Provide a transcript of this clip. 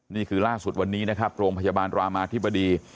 นี่คือล่าสุดวันนี้นะครับโรงพยาบาลรามาธิบดี